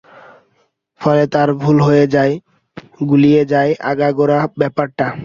ফলে তার ভুল হয়ে যায়, গুলিয়ে যায় আগাগোড়া ব্যাপারটা।